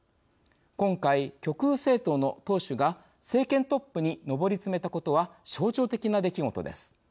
今回極右政党の党首が政権トップに上り詰めたことは象徴的な出来事です。